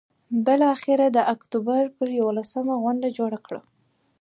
بالآخره د اکتوبر پر یوولسمه غونډه جوړه کړه.